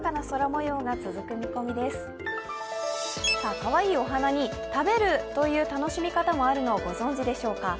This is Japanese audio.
かわいいお花に食べるという楽しみ方があるのをご存じでしょうか？